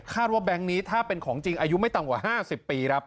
ว่าแบงค์นี้ถ้าเป็นของจริงอายุไม่ต่ำกว่า๕๐ปีครับ